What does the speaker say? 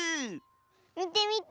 みてみて。